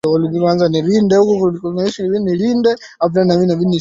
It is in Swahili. kiasi kwamba matumizi ya dawa za kulevya yasiweze tena